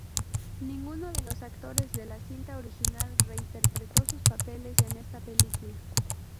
Ninguno de los actores de la cinta original reinterpretó sus papeles en esta película.